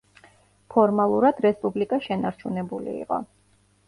ფორმალურად რესპუბლიკა შენარჩუნებული იყო.